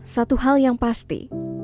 satu hal yang pasti